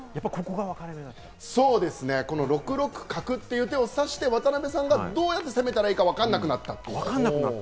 ６六角という手を指して、渡辺さんがどのように攻めたらいいか分からなくなった。